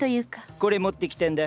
これ持ってきたんだ。